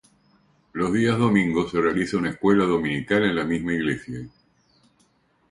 Los días domingo se realiza una escuela dominical en la misma iglesia.